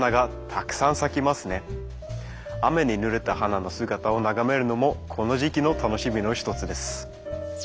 雨にぬれた花の姿を眺めるのもこの時期の楽しみの一つです。